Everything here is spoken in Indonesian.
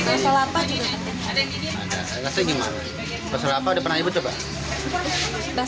bakso lapa belum karena saya baru pertama kali